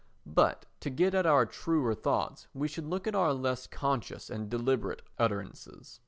But to get at our truer thoughts we should look at our less conscious and deliberate utterances.